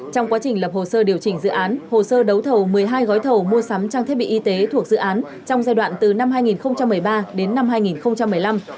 trong quá trình lập hồ sơ điều chỉnh dự án hồ sơ đấu thầu một mươi hai gói thầu mua sắm trang thiết bị y tế thuộc dự án trong giai đoạn từ năm hai nghìn một mươi ba đến năm hai nghìn một mươi năm